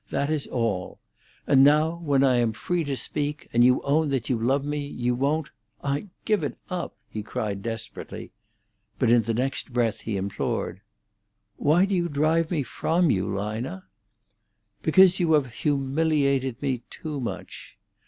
That is all. And now when I am free to speak, and you own that you love me, you won't—I give it up!" he cried desperately. But in the next breath he implored, "Why do you drive me from you, Lina?" "Because you have humiliated me too much."